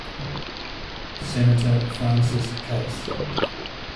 Senator Francis Case.